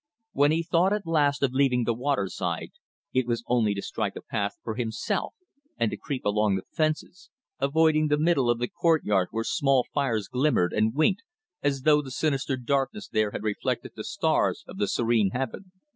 When he thought at last of leaving the waterside, it was only to strike a path for himself and to creep along the fences, avoiding the middle of the courtyard where small fires glimmered and winked as though the sinister darkness there had reflected the stars of the serene heaven.